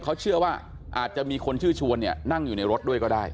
เขาเชื่อว่าอาจจะมีคนชื่อชวนเนี่ยนั่งอยู่ในรถด้วยก็ได้